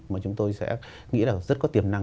mà chúng tôi sẽ nghĩ là rất có tiềm năng